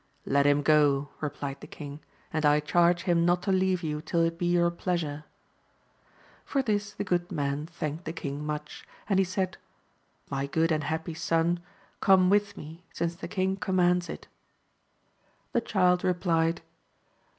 Let him go, replied the king, and I charge him Jnot to leave you till it be your pleasure. For this the good man thanked the king much, and h^ said, My good and happy son, come with me since the king commands it. The child replied.